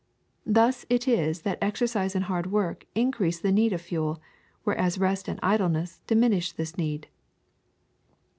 Thus it is that exercise and hard work increase the need of food, whereas rest and idleness diminish this need.